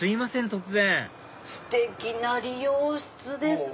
突然ステキな理容室ですね。